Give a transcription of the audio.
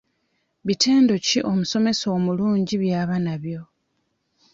Bitendo ki omusomesa omulungi by'aba nabyo?